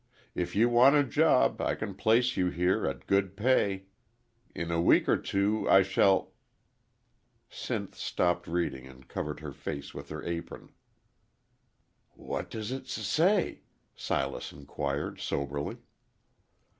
If you want a job I can place you here at good pay. In a week or two I shall '" Sinth stopped reading and covered her face with her apron. "What does it s say?" Silas inquired, soberly.